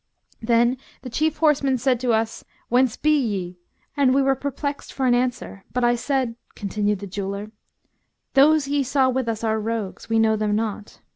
Then the chief horseman said to us, 'Whence be ye!'; and we were perplexed for an answer, but I said" (continued the jeweller), "'Those ye saw with us are rogues; we know them not.